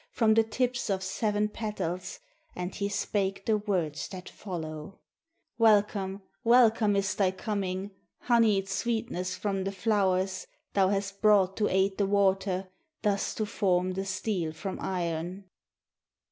From the tips of seven petals, And he spake the words that follow: "Welcome, welcome, is thy coming. Honeyed sweetness from the flowers Thou has brought to aid the water. Thus to form the steel from iron!"